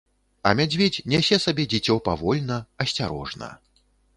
А мядзведзь нясе сабе дзіцё павольна, асцярожна.